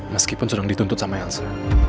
meskipun sedang dituntut sama elsa